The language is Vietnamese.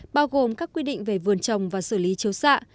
bao gồm các quy định về vườn trồng và xử lý chiếu xạ